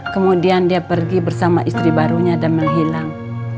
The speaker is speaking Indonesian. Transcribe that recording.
kemudian dia pergi bersama istri barunya dan menghilang